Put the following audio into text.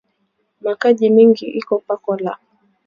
Ma Kaji ya mingi iko paka na leta muchoko